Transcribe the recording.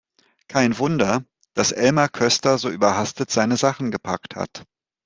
Kein Wunder, dass Elmar Köster so überhastet seine Sachen gepackt hat!